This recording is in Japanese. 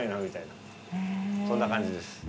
そんな感じです。